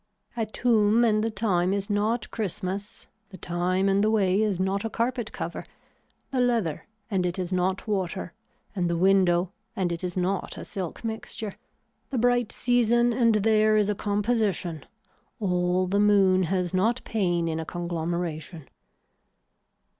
A tomb and the time is not Christmas, the time and the way is not a carpet cover, the leather and it is not water and the window and it is not a silk mixture, the bright season and there is a composition, all the moon has not pain in a conglomeration.